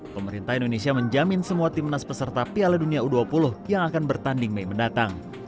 pemerintah indonesia menjamin semua timnas peserta piala dunia u dua puluh yang akan bertanding mei mendatang